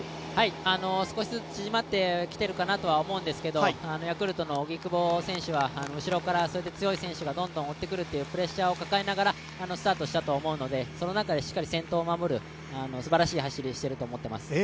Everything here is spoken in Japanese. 少しずつ縮まってきているかなと思うんですけど、ヤクルトの荻久保選手は後ろから強い選手がどんどん追ってくるプレッシャーを抱えながらスタートしたと思うのでその中でしっかり先頭を守る、すばらしい走りをしてると思います。